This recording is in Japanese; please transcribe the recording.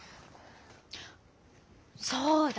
そうだ！